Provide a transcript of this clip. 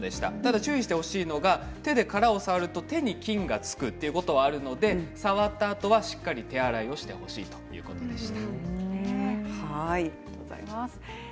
注意してほしいのは手で殻を触ると、手に菌がつくということはあるので触ったあとは、しっかりと手洗いをしてほしいということでした。